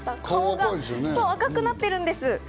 顔が赤くなっているんです。